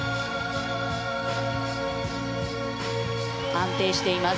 安定しています。